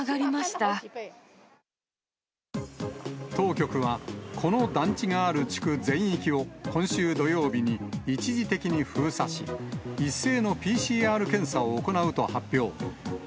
当局は、この団地がある地区全域を今週土曜日に一時的に封鎖し、一斉のＰＣＲ検査を行うと発表。